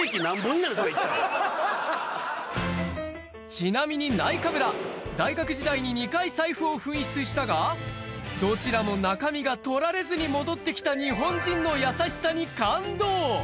ちなみにナイカブラ、大学時代に２回財布を紛失したが、どちらも中身が取られずに戻ってきた日本人の優しさに感動。